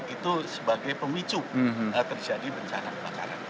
itu sebagai pemicu terjadi bencana kebakaran